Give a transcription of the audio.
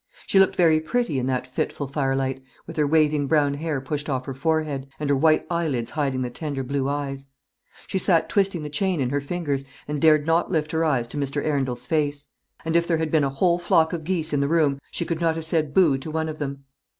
She looked very pretty in that fitful firelight, with her waving brown hair pushed off her forehead, and her white eyelids hiding the tender blue eyes. She sat twisting the chain in her fingers, and dared not lift her eyes to Mr. Arundel's face; and if there had been a whole flock of geese in the room, she could not have said "Bo!" to one of them.